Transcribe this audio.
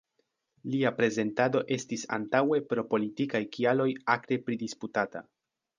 Lia prezentado estis antaŭe pro politikaj kialoj akre pridisputata.